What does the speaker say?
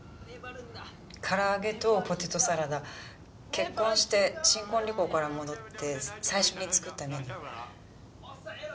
から揚げとポテトサラダ結婚して新婚旅行から戻って最初に作ったメニュー。